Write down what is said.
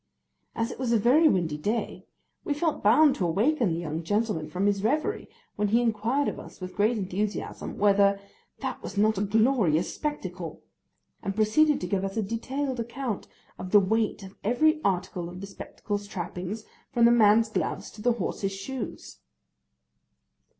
As it was a very windy day, we felt bound to awaken the young gentleman from his reverie, when he inquired of us with great enthusiasm, whether 'that was not a glorious spectacle,' and proceeded to give us a detailed account of the weight of every article of the spectacle's trappings, from the man's gloves to the horse's shoes.